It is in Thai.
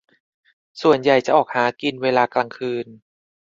ส่วนใหญ่จะออกหากินเวลากลางคืน